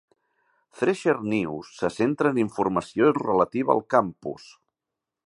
"Thresher" News se centra en informació relativa al campus.